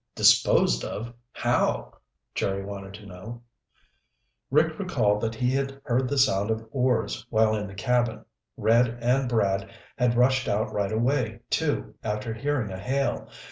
"Disposed of? How?" Jerry wanted to know. Rick recalled that he had heard the sound of oars while in the cabin. Red and Brad had rushed out right away, too, after hearing a hail.